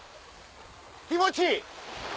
気持ちいい！